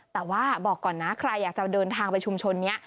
แต่ว่าบอกก่อนนะใครอยากจะเดินทางไปชุมชนนี้